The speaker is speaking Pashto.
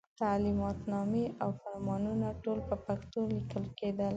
تعلماتنامې او فرمانونه ټول په پښتو لیکل کېدل.